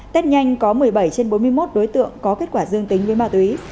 tết nhanh có một mươi bảy trên bốn mươi một đối tượng có kết quả dương tính với ma túy